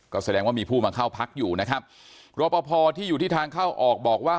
ก็แสดงว่ามีผู้มาเข้าพักอยู่นะครับรอปภที่อยู่ที่ทางเข้าออกบอกว่า